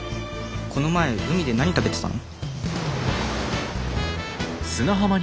この前海で何食べてたの？」。